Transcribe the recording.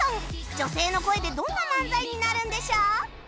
女性の声でどんな漫才になるんでしょう？